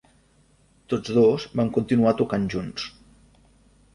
Tots dos van continuar tocant junts.